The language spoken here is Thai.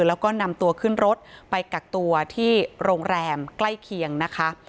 แล้วก็นำตัวขึ้นรถไปกักตัวที่โรงแรมใกล้เคียงนะคะ